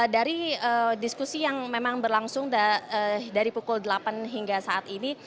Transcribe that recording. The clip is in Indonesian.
dari diskusi yang memang berlangsung dari pukul delapan hingga saat ini